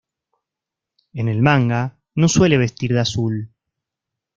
En el manga, no suele vestir de azul.